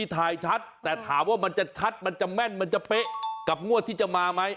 ถามว่ามันจะชัดมันจะแม่นมันจะเป๊ะกับงวดที่จะมาไหม